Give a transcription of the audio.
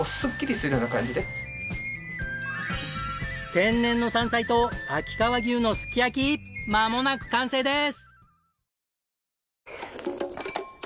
天然の山菜と秋川牛のすき焼きまもなく完成です！